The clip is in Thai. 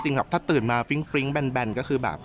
ถ้าตื่นมาฟริ้งแบนก็คือแบบ